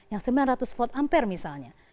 yang sembilan ratus volt ampere misalnya